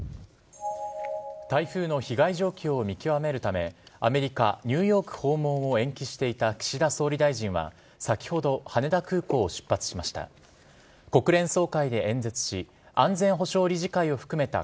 台風の被害状況を見極めるため、アメリカ・ニューヨーク訪問を延期していた岸田総理大臣は、先ほど羽田空港を出発しました。